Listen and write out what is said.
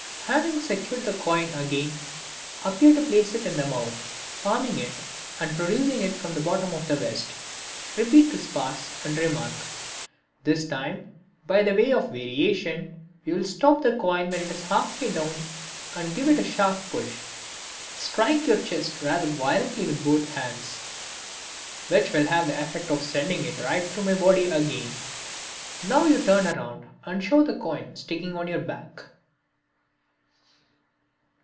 —Having secured the coin again, appear to place it in the mouth, palming it, and producing it from the bottom of the vest. Repeat this pass, and remark: "This time, by way of variation, we will stop the coin when it gets half way down and give it a sharp push" (strike your chest rather violently with both hands), "which will have the effect of sending it right through the body again." You now turn round and show the coin sticking on your back.